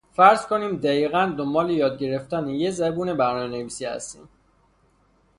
فرض کنیم دقیقا دنبال یاد گرفتن یک زبون برنامه نویسی هستیم.